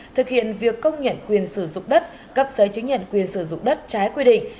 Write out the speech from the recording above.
thực hiện việc công nhận quyền sử dụng đất cấp giấy chứng nhận quyền sử dụng đất trái quy định